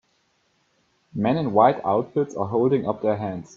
Men in white outfits are holding up their hands.